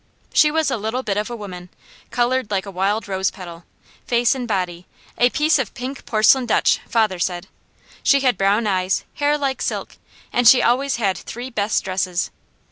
She was a little bit of a woman, coloured like a wild rose petal, face and body a piece of pink porcelain Dutch, father said. She had brown eyes, hair like silk, and she always had three best dresses.